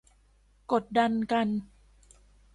กดดันกัน